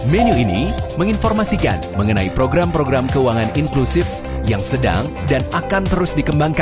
menu ini menginformasikan mengenai program program yang diperlukan untuk menghasilkan keuangan inklusif di indonesia